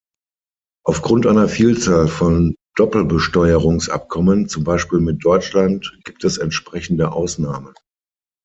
Aufgrund einer Vielzahl von Doppelbesteuerungsabkommen, zum Beispiel mit Deutschland, gibt es entsprechende Ausnahmen.